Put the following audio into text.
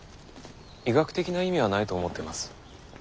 医学的な意味はないと思ってます。